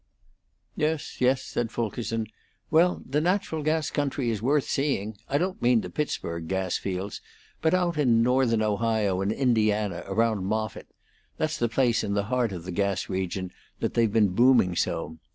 "Yes, yes," said Fulkerson. "Well, the natural gas country is worth seeing. I don't mean the Pittsburg gas fields, but out in Northern Ohio and Indiana around Moffitt that's the place in the heart of the gas region that they've been booming so.